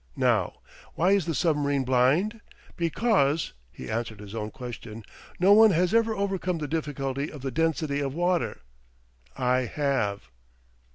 Now, why is the submarine blind? Because," he answered his own question, "no one has ever overcome the difficulty of the density of water. I have."